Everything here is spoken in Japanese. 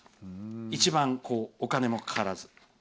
一番、お金もかからず。